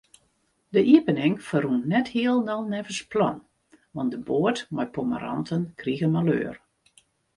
De iepening ferrûn net hielendal neffens plan, want de boat mei pommeranten krige maleur.